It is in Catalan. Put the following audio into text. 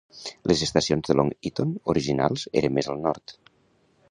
Les estacions de Long Eaton originals eren més al nord.